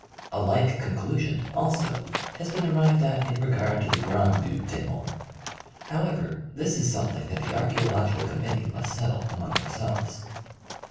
A like conclusion, also, has been arrived at in regard to the Grand Butte des Morts. However, this is something that the archæological committee must settle among themselves.